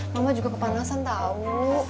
mama juga kepanasan tau